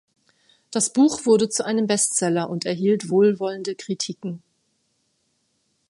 Das Buch wurde zu einem Bestseller und erhielt wohlwollende Kritiken.